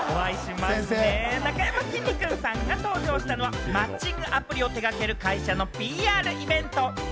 なかやまきんに君さんが登場したのはマッチングアプリを手がける会社のＰＲイベント。